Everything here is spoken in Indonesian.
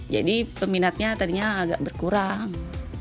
jadi peminatnya tadinya agak berkurang